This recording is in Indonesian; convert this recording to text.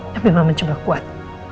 tapi mama cuman kuat